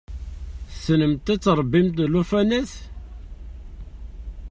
Tessnemt ad tṛebbimt llufanat?